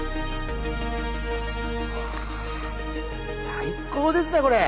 最高ですねこれ。